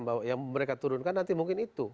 bahwa yang mereka turunkan nanti mungkin itu